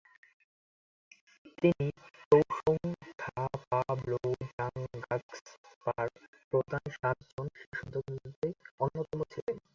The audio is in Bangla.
তিনি ত্সোং-খা-পা-ব্লো-ব্জাং-গ্রাগ্স-পার প্রধান সাতজন শিষ্যদের মধ্যে অন্যতম ছিলেন।